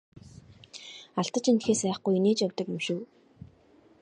Алдаж эндэхээс айхгүй инээж явдаг юм шүү!